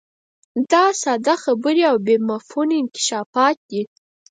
دا ساده خبرې او بې مفهومه انکشافات نه دي.